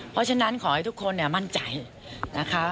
เพราะฉะนั้นขอให้ทุกคนมั่นใจนะคะ